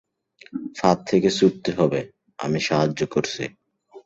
ফাঁদ থেকে ছুটতে হবে, আমি সাহায্য করছি।